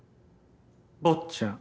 坊っちゃん。